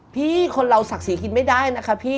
พี่คนเราสักสีขึ้นไม่ได้นะคะพี่